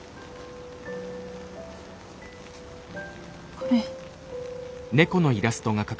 これ。